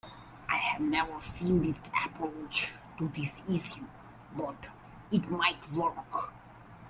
I have never seen this approach to this issue, but it might work.